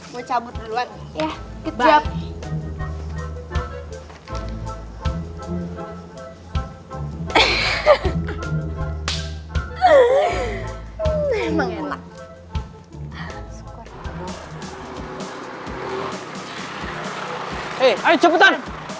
lo udah dimana tuh sih